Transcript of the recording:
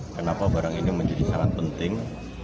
kenapa barang ini menjadi sangat penting